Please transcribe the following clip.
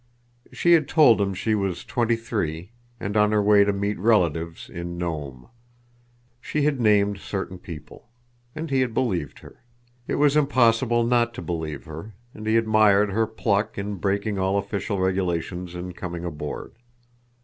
She had told him she was twenty three and on her way to meet relatives in Nome. She had named certain people. And he had believed her. It was impossible not to believe her, and he admired her pluck in breaking all official regulations in coming aboard.